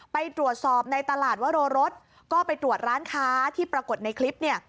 ไปตรวจสอบในตลาดวโรรสก็ไปตรวจร้านค้าที่ปรากฏในคลิปเนี่ย